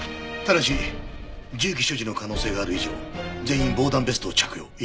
ただし銃器所持の可能性がある以上全員防弾ベストを着用。